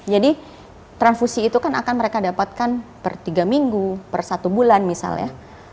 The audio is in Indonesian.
jadi transfusi itu akan mereka dapatkan per tiga minggu per satu bulan misalnya